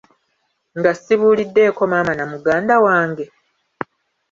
Nga sibuuliddeeko maama na muganda wange?